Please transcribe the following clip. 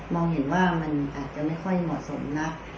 องเห็นว่ามันอาจจะไม่ค่อยเหมาะสมนัก